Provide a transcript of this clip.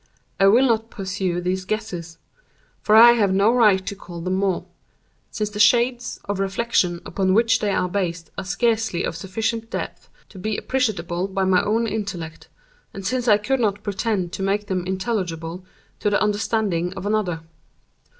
I will not pursue these guesses—for I have no right to call them more—since the shades of reflection upon which they are based are scarcely of sufficient depth to be appreciable by my own intellect, and since I could not pretend to make them intelligible to the understanding of another.